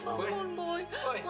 papa pasti yang salah tuh boy